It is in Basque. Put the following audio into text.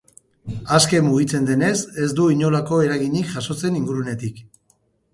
Aske mugitzen denez, ez du inolako eraginik jasotzen ingurunetik.